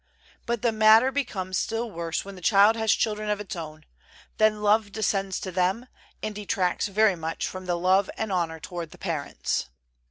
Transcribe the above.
But the matter becomes still worse when the child has children of its own; then love descends to them, and detracts very much from the love and honor toward the parents.